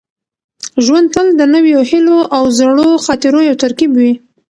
ژوند تل د نویو هیلو او زړو خاطرو یو ترکیب وي.